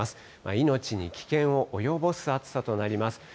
命に危険を及ぼす暑さとなります。